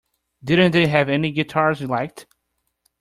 Didn't they have any guitars you liked?